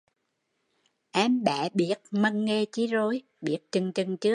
Em bé biết mần nghề chi rồi, biết chựng chựng chưa?